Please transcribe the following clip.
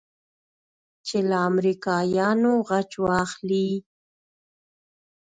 چې له امريکايانو غچ واخلې.